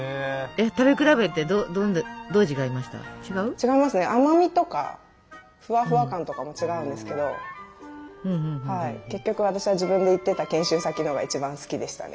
違いますね甘みとかフワフワ感とかも違うんですけど結局私は自分で行ってた研修先のが一番好きでしたね。